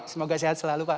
semoga sehat selalu pak